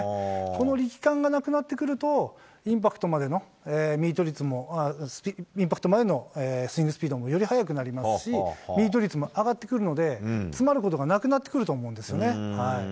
この力感がなくなってくると、インパクトまでのミート率も、インパクト前のスイングスピードも、より速くなりますし、ミート率も上がってくるので、詰まることがなくなってくると思うんですよね。